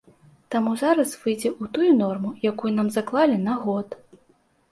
Таму зараз выйдзе ў тую норму, якую нам заклалі на год.